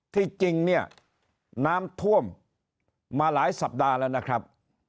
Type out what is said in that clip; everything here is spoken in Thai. ที่จริงเนี่ยน้ำท่วมมาหลายสัปดาห์แล้วนะครับ